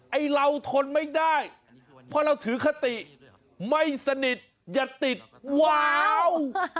ไอ้เราทนไม่ได้เพราะเราถือคติไม่สนิทอย่าติดว้าว